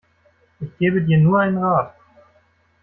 Ich gebe dir nur einen Rat.